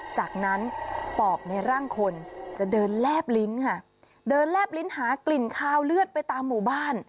จากนั้นปอบในร่างคนจะเดินแลบลิ้นค่ะเดินแลบลิ้นหากลิ่นคาวเลือดไปตามหมู่บ้าน